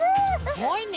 すごいね。